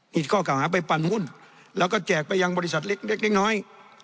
ผิดข้อเก่าหาไปปั่นหุ้นแล้วก็แจกไปยังบริษัทเล็กน้อย